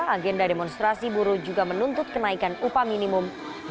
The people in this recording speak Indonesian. agenda demonstrasi buruh juga menuntut kenaikan upah minimum dua ribu dua puluh